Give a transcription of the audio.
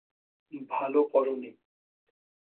ভালো করো নি।